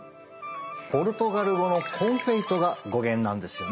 ポルトガル語の「コンフェイト」が語源なんですよね。